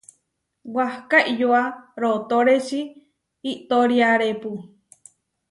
Wahká iʼyoa rootóreči iʼtoriarepu.